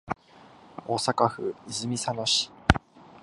大阪府泉佐野市